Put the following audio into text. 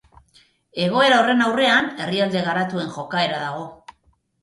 Egoera horren aurrean, herrialde garatuen jokaera dago.